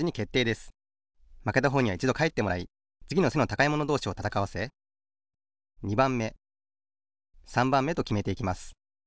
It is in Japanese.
まけたほうにはいちどかえってもらいつぎの背の高いものどうしをたたかわせ２ばんめ３ばんめときめていきます。